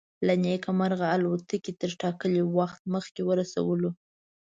له نیکه مرغه الوتکې تر ټاکلي وخت مخکې ورسولو.